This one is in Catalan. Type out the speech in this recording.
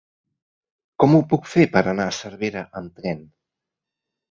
Com ho puc fer per anar a Cervera amb tren?